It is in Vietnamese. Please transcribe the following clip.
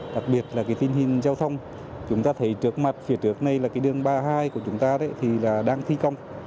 đặc biệt là cái tình hình giao thông chúng ta thấy trước mặt phía trước này là cái đường ba mươi hai của chúng ta thì là đang thi công